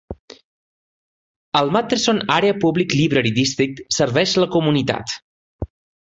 El Matteson Area Public Library District serveix la comunitat.